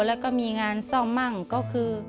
แล้วก็มีงานซ่อมมั่งก็คือ